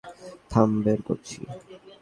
থাম, বের করছি।